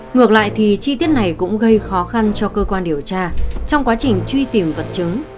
ngược lại thì chi tiết này cũng gây khó khăn cho cơ quan điều tra trong quá trình truy tìm vật chứng